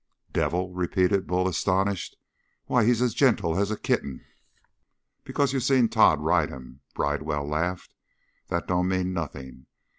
"Devil?" repeated Bull, astonished. "Why, he's as gentle as a kitten!" "Because you seen Tod ride him?" Bridewell laughed. "That don't mean nothing.